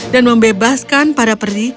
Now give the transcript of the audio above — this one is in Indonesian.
dan membebaskan para peri